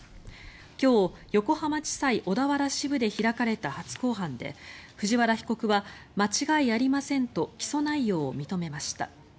今日、横浜地裁小田原支部で開かれた初公判で藤原被告は、間違いありませんと起訴内容を認めました。